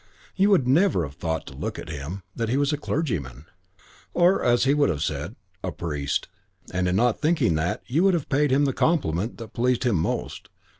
You would never have thought, to look at him, that he was a clergyman, or, as he would have said, a priest, and in not thinking that you would have paid him the compliment that pleased him most.